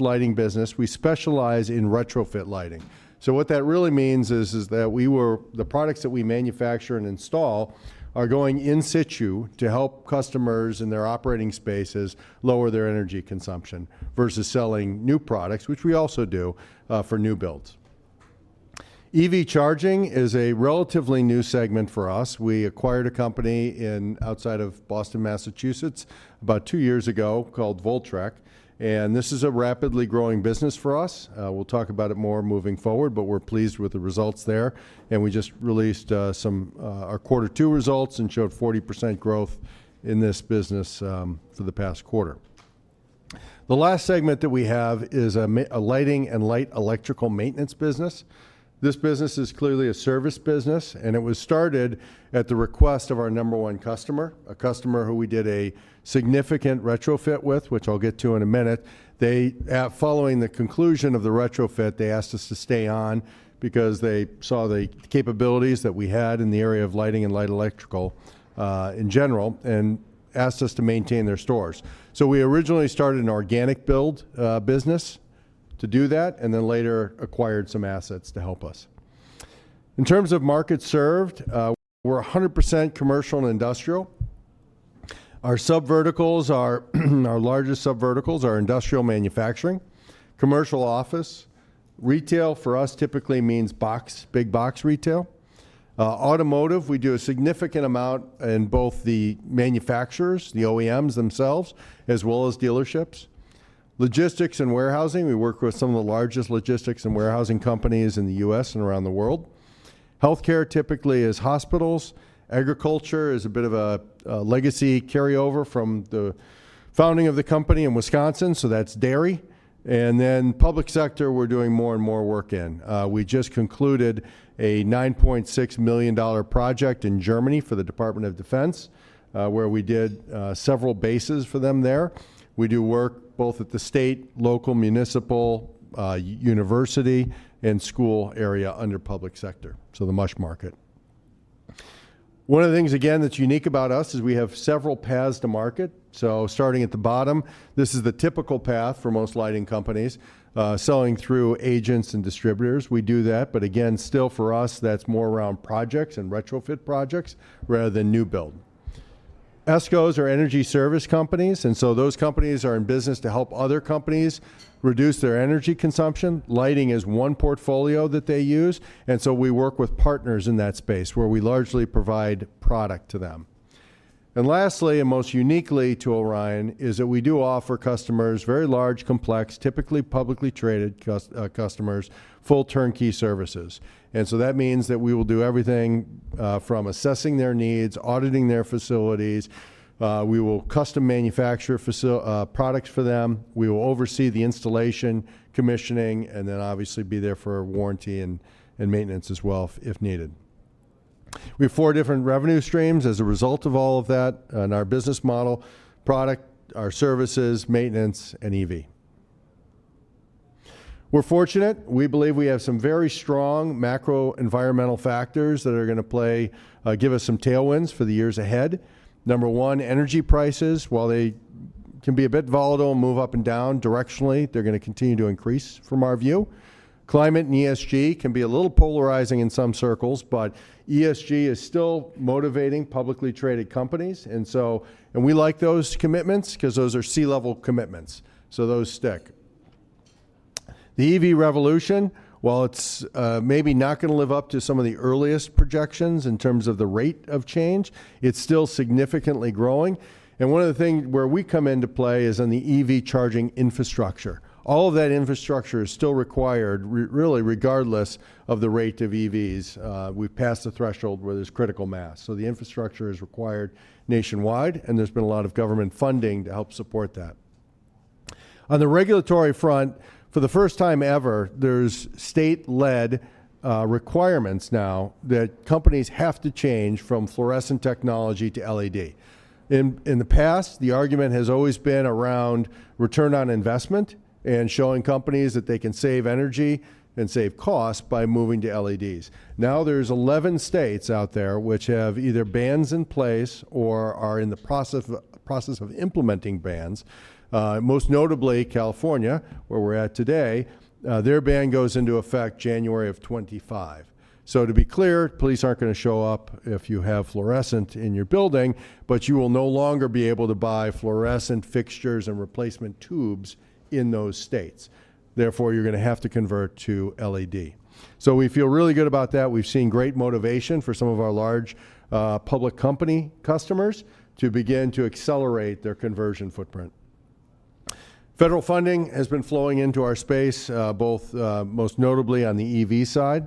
Lighting business, we specialize in retrofit lighting. So what that really means is that the products that we manufacture and install are going in situ to help customers in their operating spaces lower their energy consumption versus selling new products, which we also do for new builds. EV charging is a relatively new segment for us. We acquired a company outside of Boston, Massachusetts, about two years ago called Voltrek, and this is a rapidly growing business for us. We'll talk about it more moving forward, but we're pleased with the results there. And we just released our quarter two results and showed 40% growth in this business for the past quarter. The last segment that we have is a lighting and lighting electrical maintenance business. This business is clearly a service business, and it was started at the request of our number one customer, a customer who we did a significant retrofit with, which I'll get to in a minute. Following the conclusion of the retrofit, they asked us to stay on because they saw the capabilities that we had in the area of lighting and electrical in general and asked us to maintain their stores. So we originally started an organic build business to do that and then later acquired some assets to help us. In terms of market served, we're 100% commercial and industrial. Our subverticals, our largest subverticals, are industrial manufacturing, commercial office. Retail for us typically means big box retail. Automotive, we do a significant amount in both the manufacturers, the OEMs themselves, as well as dealerships. Logistics and warehousing, we work with some of the largest logistics and warehousing companies in the U.S. and around the world. Healthcare typically is hospitals. Agriculture is a bit of a legacy carryover from the founding of the company in Wisconsin, so that's dairy. And then public sector, we're doing more and more work in. We just concluded a $9.6 million project in Germany for the Department of Defense, where we did several bases for them there. We do work both at the state, local, municipal, university, and school area under public sector, so the municipal market. One of the things, again, that's unique about us is we have several paths to market. So starting at the bottom, this is the typical path for most lighting companies selling through agents and distributors. We do that, but again, still for us, that's more around projects and retrofit projects rather than new build. ESCOs are energy service companies, and so those companies are in business to help other companies reduce their energy consumption. Lighting is one portfolio that they use, and so we work with partners in that space where we largely provide product to them. And lastly, and most uniquely to Orion, is that we do offer customers very large, complex, typically publicly traded customers full turnkey services. And so that means that we will do everything from assessing their needs, auditing their facilities. We will custom manufacture products for them. We will oversee the installation, commissioning, and then obviously be there for warranty and maintenance as well if needed. We have four different revenue streams as a result of all of that in our business model: product, our services, maintenance, and EV. We're fortunate. We believe we have some very strong macro environmental factors that are going to give us some tailwinds for the years ahead. Number one, energy prices, while they can be a bit volatile and move up and down directionally, they're going to continue to increase from our view. Climate and ESG can be a little polarizing in some circles, but ESG is still motivating publicly traded companies, and we like those commitments because those are C-level commitments, so those stick. The EV revolution, while it's maybe not going to live up to some of the earliest projections in terms of the rate of change, it's still significantly growing, and one of the things where we come into play is on the EV charging infrastructure. All of that infrastructure is still required, really, regardless of the rate of EVs. We've passed the threshold where there's critical mass. So the infrastructure is required nationwide, and there's been a lot of government funding to help support that. On the regulatory front, for the first time ever, there's state-led requirements now that companies have to change from fluorescent technology to LED. In the past, the argument has always been around return on investment and showing companies that they can save energy and save costs by moving to LEDs. Now there's 11 states out there which have either bans in place or are in the process of implementing bans, most notably California, where we're at today. Their ban goes into effect January of 2025. So to be clear, police aren't going to show up if you have fluorescent in your building, but you will no longer be able to buy fluorescent fixtures and replacement tubes in those states. Therefore, you're going to have to convert to LED. So we feel really good about that. We've seen great motivation for some of our large public company customers to begin to accelerate their conversion footprint. Federal funding has been flowing into our space, both most notably on the EV side.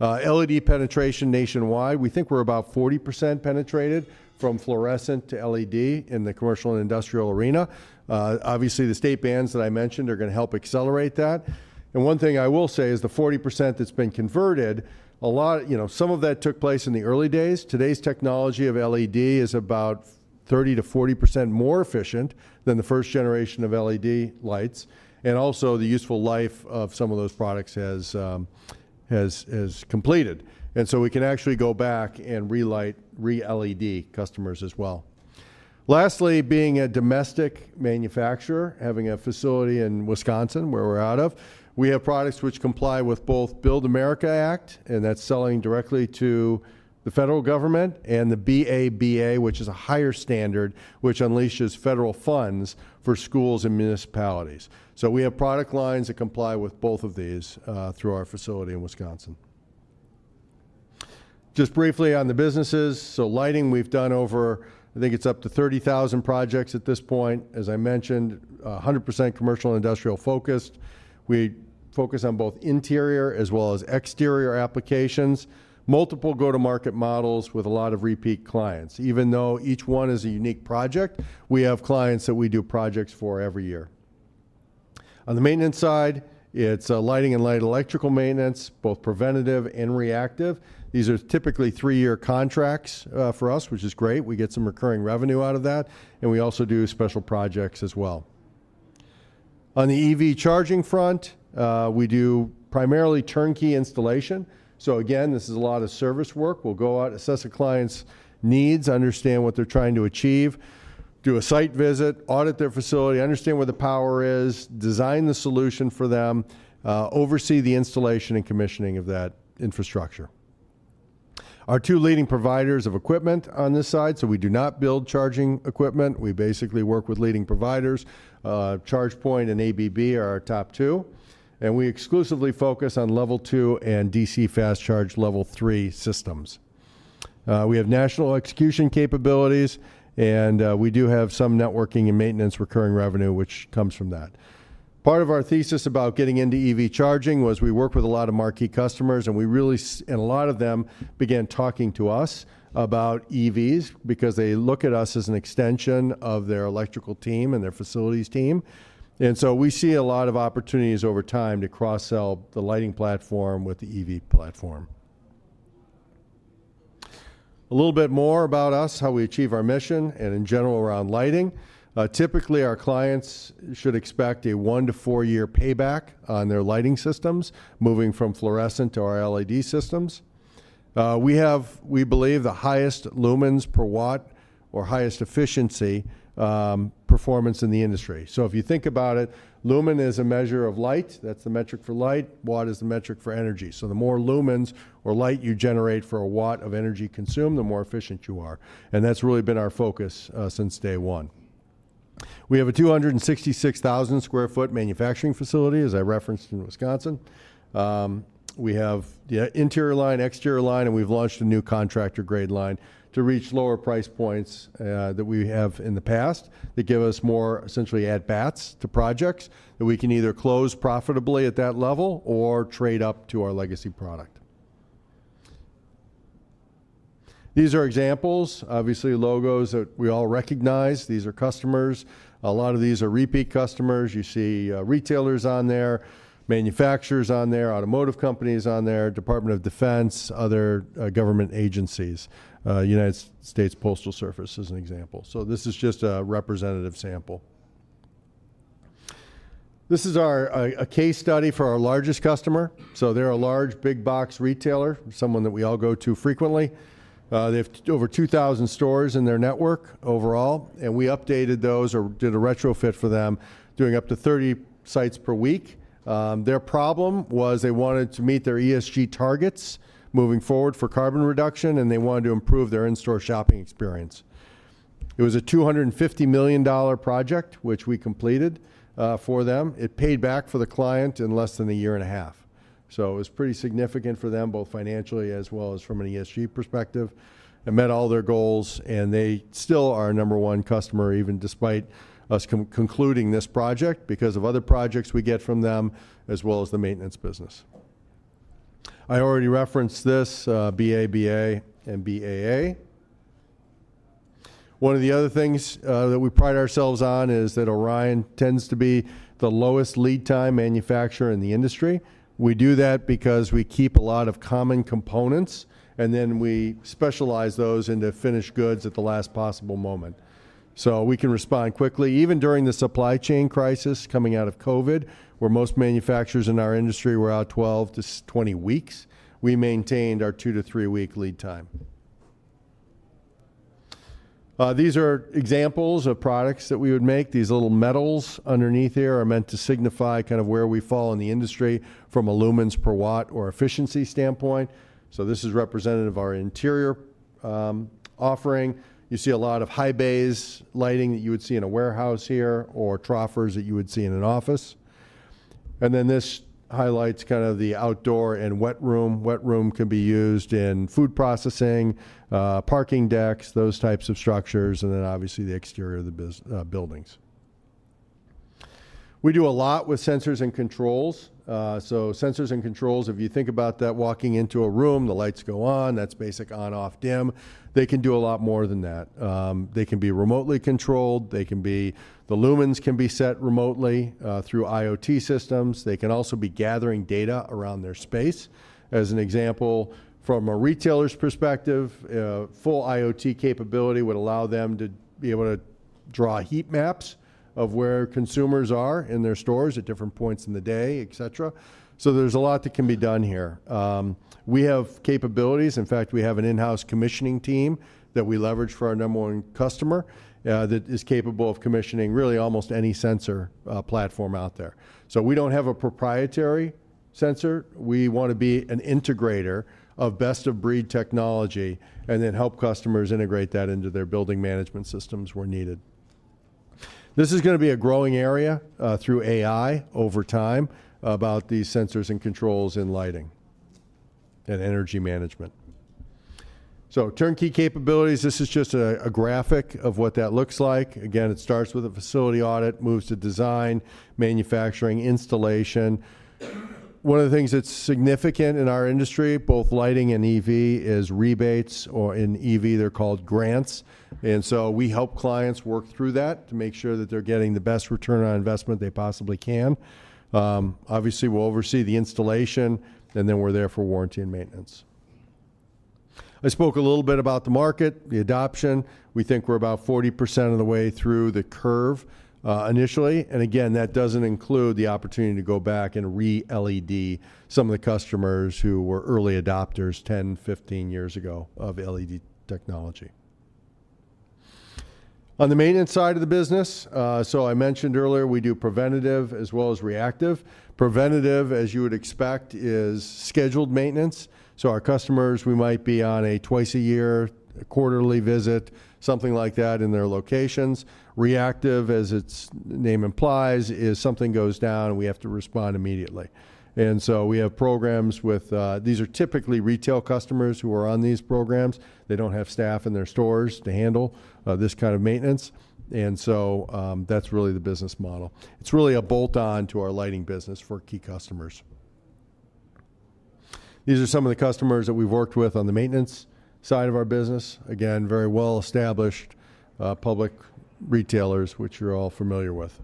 LED penetration nationwide, we think we're about 40% penetrated from fluorescent to LED in the commercial and industrial arena. Obviously, the state bans that I mentioned are going to help accelerate that. And one thing I will say is the 40% that's been converted, some of that took place in the early days. Today's technology of LED is about 30%-40% more efficient than the first generation of LED lights. And also the useful life of some of those products has completed. And so we can actually go back and relight, re-LED customers as well. Lastly, being a domestic manufacturer, having a facility in Wisconsin where we're based out of, we have products which comply with both Buy American Act, and that's selling directly to the federal government, and the BABA, which is a higher standard, which unleashes federal funds for schools and municipalities. We have product lines that comply with both of these through our facility in Wisconsin. Just briefly on the businesses, so lighting we've done over, I think it's up to 30,000 projects at this point. As I mentioned, 100% commercial and industrial focused. We focus on both interior as well as exterior applications, multiple go-to-market models with a lot of repeat clients. Even though each one is a unique project, we have clients that we do projects for every year. On the maintenance side, it's lighting and light electrical maintenance, both preventative and reactive. These are typically three-year contracts for us, which is great. We get some recurring revenue out of that, and we also do special projects as well. On the EV charging front, we do primarily turnkey installation. So again, this is a lot of service work. We'll go out, assess a client's needs, understand what they're trying to achieve, do a site visit, audit their facility, understand where the power is, design the solution for them, oversee the installation and commissioning of that infrastructure. Our two leading providers of equipment on this side, so we do not build charging equipment. We basically work with leading providers. ChargePoint and ABB are our top two, and we exclusively focus on Level 2 and DC Fast Charge Level 3 systems. We have national execution capabilities, and we do have some networking and maintenance recurring revenue, which comes from that. Part of our thesis about getting into EV charging was we work with a lot of marquee customers, and a lot of them began talking to us about EVs because they look at us as an extension of their electrical team and their facilities team, and so we see a lot of opportunities over time to cross-sell the lighting platform with the EV platform. A little bit more about us, how we achieve our mission, and in general around lighting. Typically, our clients should expect a one- to four-year payback on their lighting systems moving from fluorescent to our LED systems. We believe the highest lumens per watt or highest efficiency performance in the industry, so if you think about it, lumen is a measure of light. That's the metric for light. Watt is the metric for energy. So the more lumens or light you generate for a watt of energy consumed, the more efficient you are. And that's really been our focus since day one. We have a 266,000 sq ft manufacturing facility, as I referenced in Wisconsin. We have the interior line, exterior line, and we've launched a new contractor-grade line to reach lower price points that we have in the past that give us more essentially add-ons to projects that we can either close profitably at that level or trade up to our legacy product. These are examples, obviously logos that we all recognize. These are customers. A lot of these are repeat customers. You see retailers on there, manufacturers on there, automotive companies on there, Department of Defense, other government agencies. United States Postal Service is an example. So this is just a representative sample. This is a case study for our largest customer. They're a large big box retailer, someone that we all go to frequently. They have over 2,000 stores in their network overall, and we updated those or did a retrofit for them, doing up to 30 sites per week. Their problem was they wanted to meet their ESG targets moving forward for carbon reduction, and they wanted to improve their in-store shopping experience. It was a $250 million project, which we completed for them. It paid back for the client in less than a year and a half. It was pretty significant for them, both financially as well as from an ESG perspective. It met all their goals, and they still are a number one customer even despite us concluding this project because of other projects we get from them, as well as the maintenance business. I already referenced this, BABA and BAA. One of the other things that we pride ourselves on is that Orion tends to be the lowest lead time manufacturer in the industry. We do that because we keep a lot of common components, and then we specialize those into finished goods at the last possible moment. So we can respond quickly. Even during the supply chain crisis coming out of COVID, where most manufacturers in our industry were out 12-20 weeks, we maintained our two to three-week lead time. These are examples of products that we would make. These little medals underneath here are meant to signify kind of where we fall in the industry from a lumens per watt or efficiency standpoint. So this is representative of our interior offering. You see a lot of high-bay lighting that you would see in a warehouse here or troffers that you would see in an office, and then this highlights kind of the outdoor and wet room. Wet room can be used in food processing, parking decks, those types of structures, and then obviously the exterior of the buildings. We do a lot with sensors and controls, so sensors and controls, if you think about that, walking into a room, the lights go on. That's basic on-off dim. They can do a lot more than that. They can be remotely controlled. The lumens can be set remotely through IoT systems. They can also be gathering data around their space. As an example, from a retailer's perspective, full IoT capability would allow them to be able to draw heat maps of where consumers are in their stores at different points in the day, etc. So there's a lot that can be done here. We have capabilities. In fact, we have an in-house commissioning team that we leverage for our number one customer that is capable of commissioning really almost any sensor platform out there. So we don't have a proprietary sensor. We want to be an integrator of best of breed technology and then help customers integrate that into their building management systems where needed. This is going to be a growing area through AI over time about these sensors and controls in lighting and energy management. So turnkey capabilities. This is just a graphic of what that looks like. Again, it starts with a facility audit, moves to design, manufacturing, installation. One of the things that's significant in our industry, both lighting and EV, is rebates or in EV, they're called grants. And so we help clients work through that to make sure that they're getting the best return on investment they possibly can. Obviously, we'll oversee the installation, and then we're there for warranty and maintenance. I spoke a little bit about the market, the adoption. We think we're about 40% of the way through the curve initially. And again, that doesn't include the opportunity to go back and re-LED some of the customers who were early adopters 10, 15 years ago of LED technology. On the maintenance side of the business, so I mentioned earlier, we do preventative as well as reactive. Preventative, as you would expect, is scheduled maintenance. So our customers, we might be on a twice-a-year, quarterly visit, something like that in their locations. Reactive, as its name implies, is something goes down, we have to respond immediately. And so we have programs with these. These are typically retail customers who are on these programs. They don't have staff in their stores to handle this kind of maintenance. And so that's really the business model. It's really a bolt-on to our lighting business for key customers. These are some of the customers that we've worked with on the maintenance side of our business. Again, very well-established public retailers, which you're all familiar with.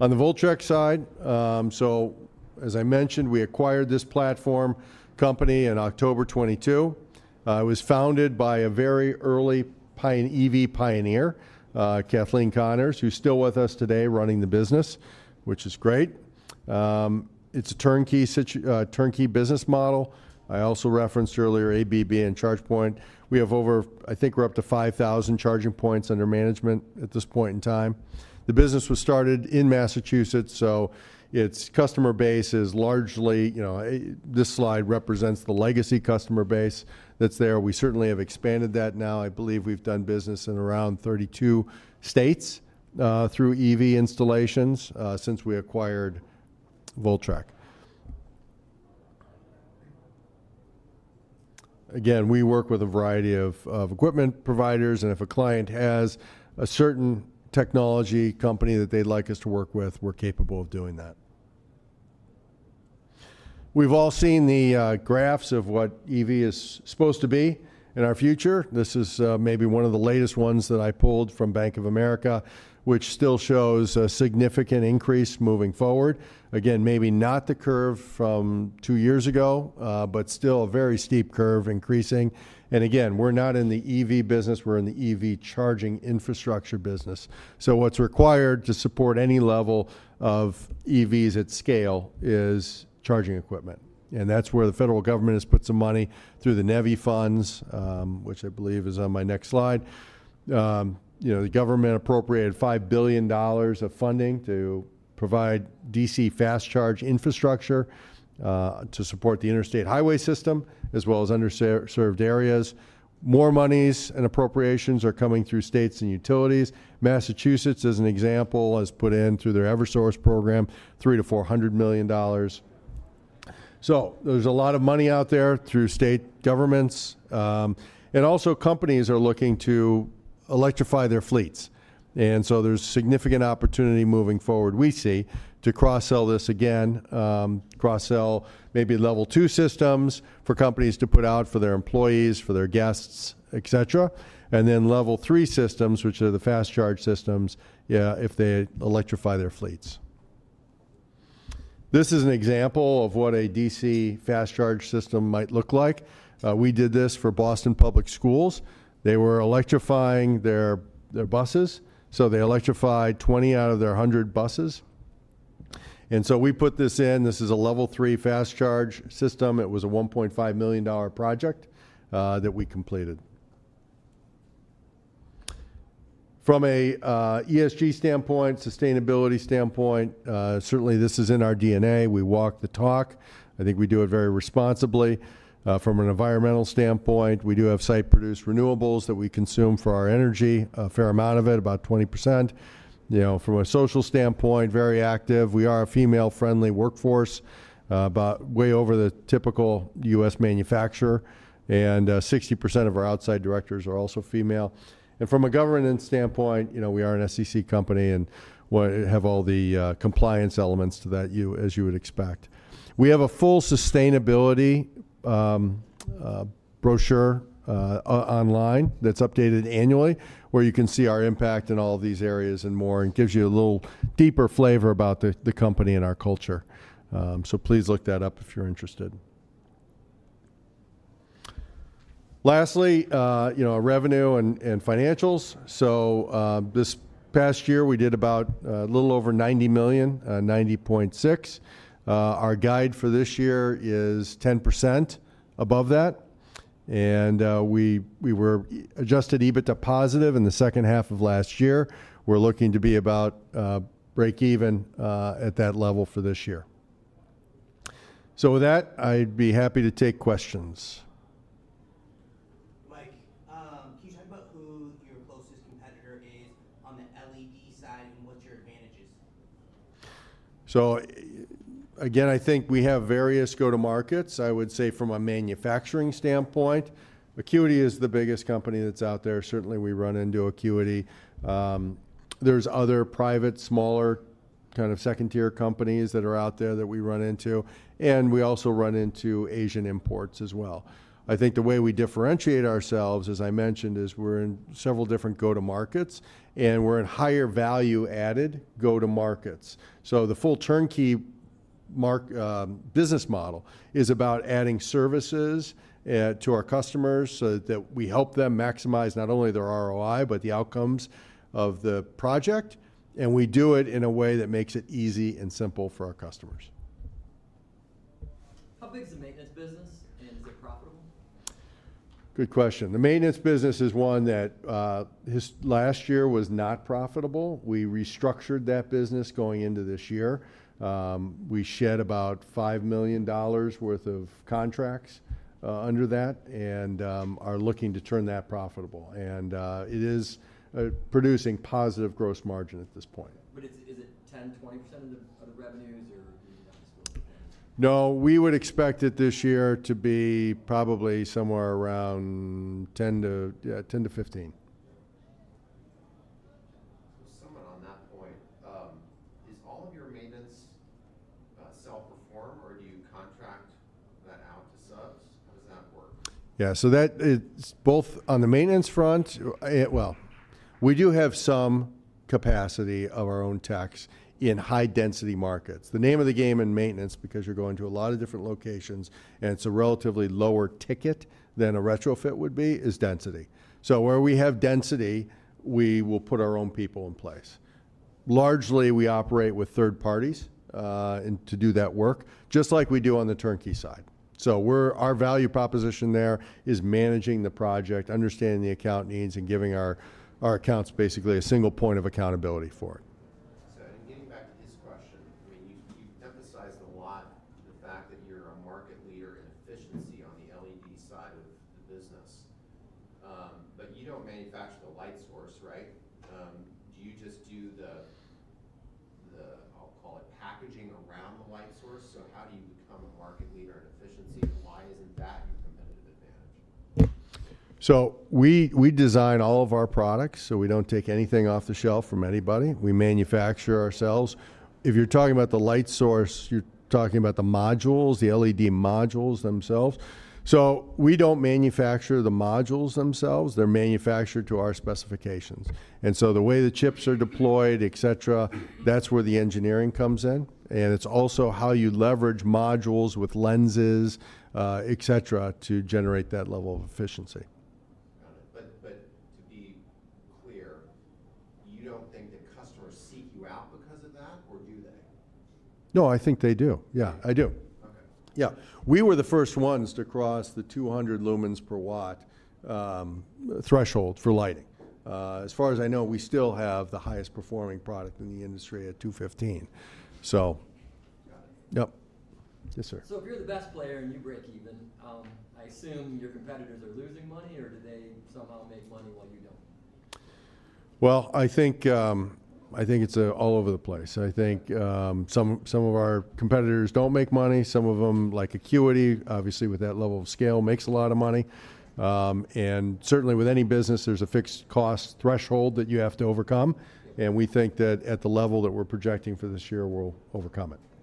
On the Voltrek side, so as I mentioned, we acquired this platform company in October 2022. It was founded by a very early EV pioneer, Kathleen Connors, who's still with us today running the business, which is great. It's a turnkey business model. I also referenced earlier ABB and ChargePoint. We have over, I think we're up to 5,000 charging points under management at this point in time. The business was started in Massachusetts, so its customer base is largely. This slide represents the legacy customer base that's there. We certainly have expanded that now. I believe we've done business in around 32 states through EV installations since we acquired Voltrek. Again, we work with a variety of equipment providers, and if a client has a certain technology company that they'd like us to work with, we're capable of doing that. We've all seen the graphs of what EV is supposed to be in our future. This is maybe one of the latest ones that I pulled from Bank of America, which still shows a significant increase moving forward. Again, maybe not the curve from two years ago, but still a very steep curve increasing. And again, we're not in the EV business. We're in the EV charging infrastructure business. So what's required to support any level of EVs at scale is charging equipment. And that's where the federal government has put some money through the NEVI funds, which I believe is on my next slide. The government appropriated $5 billion of funding to provide DC fast charge infrastructure to support the interstate highway system as well as underserved areas. More monies and appropriations are coming through states and utilities. Massachusetts, as an example, has put in through their Eversource program, $300 million-$400 million. So there's a lot of money out there through state governments. And also companies are looking to electrify their fleets. And so there's significant opportunity moving forward we see to cross-sell this again, cross-sell maybe Level 2 systems for companies to put out for their employees, for their guests, etc. And then Level 3 systems, which are the fast charge systems, if they electrify their fleets. This is an example of what a DC fast charge system might look like. We did this for Boston Public Schools. They were electrifying their buses. So they electrified 20 out of their 100 buses. And so we put this in. This is a Level 3 fast charge system. It was a $1.5 million project that we completed. From an ESG standpoint, sustainability standpoint, certainly this is in our DNA. We walk the talk. I think we do it very responsibly. From an environmental standpoint, we do have site-produced renewables that we consume for our energy, a fair amount of it, about 20%. From a social standpoint, very active. We are a female-friendly workforce, but way over the typical U.S. manufacturer, and 60% of our outside directors are also female, and from a governance standpoint, we are an SEC company and have all the compliance elements to that, as you would expect. We have a full sustainability brochure online that's updated annually, where you can see our impact in all these areas and more. It gives you a little deeper flavor about the company and our culture, so please look that up if you're interested. Lastly, revenue and financials, so this past year, we did about a little over $90 million, $90.6 million. Our guide for this year is 10% above that, and we were adjusted EBITDA positive in the second half of last year. We're looking to be about break-even at that level for this year. So with that, I'd be happy to take questions. Mike, can you talk about who your closest competitor is on the LED side and what your advantage is? So again, I think we have various go-to-markets, I would say, from a manufacturing standpoint. Acuity is the biggest company that's out there. Certainly, we run into Acuity. There's other private, smaller kind of second-tier companies that are out there that we run into. And we also run into Asian imports as well. I think the way we differentiate ourselves, as I mentioned, is we're in several different go-to-markets, and we're in higher value-added go-to-markets. So the full turnkey business model is about adding services to our customers so that we help them maximize not only their ROI, but the outcomes of the project. And we do it in a way that makes it easy and simple for our customers. How big is the maintenance business, and is it profitable? Good question. The maintenance business is one that last year was not profitable. We restructured that business going into this year. We shed about $5 million worth of contracts under that and are looking to turn that profitable, and it is producing positive gross margin at this point. But is it 10%-20% of the revenues, or do you think that's still? No, we would expect it this year to be probably somewhere around 10%-15%. Someone on that point, is all of your maintenance self-perform, or do you [contract that out to subs? How does that work]? Yeah. So it's both on the maintenance front. Well, we do have some capacity of our own techs in high-density markets. The name of the game in maintenance, because you're going to a lot of different locations, and it's a relatively lower ticket than a retrofit would be, is density. So where we have density, we will put our own people in place. Largely, we operate with third-parties to do that work, just like we do on the turnkey side. So our value proposition there is managing the project, understanding the account needs, and giving our accounts basically a single point of accountability for it. So getting back to his question, I mean, you've emphasized a lot the fact that you're a market leader in efficiency on the LED side of the business. But you don't manufacture the light source, right? Do you just do the, I'll call it, packaging around the light source? So how do you become a market leader in efficiency, and why isn't that your competitive advantage? We design all of our products, so we don't take anything off the shelf from anybody. We manufacture ourselves. If you're talking about the light source, you're talking about the modules, the LED modules themselves. So we don't manufacture the modules themselves. They're manufactured to our specifications. And so the way the chips are deployed, etc., that's where the engineering comes in. And it's also how you leverage modules with lenses, etc., to generate that level of efficiency. Got it. But to be clear, you don't think that customers seek you out because of that, or do they? No, I think they do. Yeah, I do. We were the first ones to cross the 200 lumens per watt threshold for lighting. As far as I know, we still have the highest performing product in the industry at 215. Yes sir. So if you're the best player and you break even, I assume your competitors are losing money, or do they somehow make money while you don't? I think it's all over the place. I think some of our competitors don't make money. Some of them, like Acuity, obviously with that level of scale, makes a lot of money. Certainly, with any business, there's a fixed cost threshold that you have to overcome. We think that at the level that we're projecting for this year, we'll overcome it.